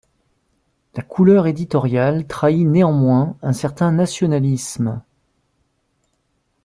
La couleur éditoriale trahit néanmois un certain nationalisme.